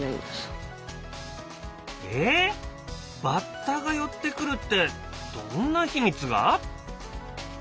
バッタが寄ってくるってどんな秘密が？